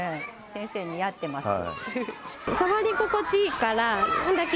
先生、似合ってます。